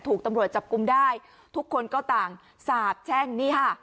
ถูกตำรวจจับกลุ่มได้ทุกคนก็ต่างสาบแช่งนี่ค่ะ